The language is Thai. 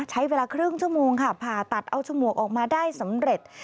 ใช้เวลาครึ่งชั่วโมงค่ะผ่าตัดเอาฉมวกออกมาได้สำเร็จ